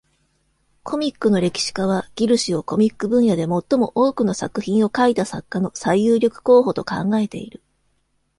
コミックの歴史家は、ギル氏をコミック分野で最も多くの作品を書いた作家の最有力候補と考えている。